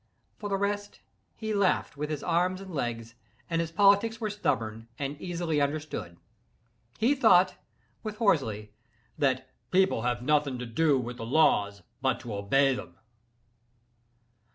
For the rest, he laughed with his arms and legs, and his politics were stubborn and easily understood. He thought, with Horsley, that "the people have nothing to do with the laws but to obey them."